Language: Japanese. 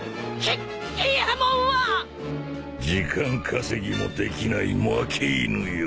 時間稼ぎもできない負け犬よ。